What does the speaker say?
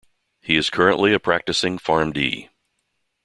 He is currently a practicing Pharm.D.